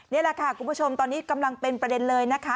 นี่แหละค่ะคุณผู้ชมตอนนี้กำลังเป็นประเด็นเลยนะคะ